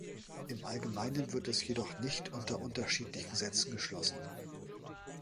Im Allgemeinen wird es jedoch nicht unter unterschiedlichen Sätzen geschlossen.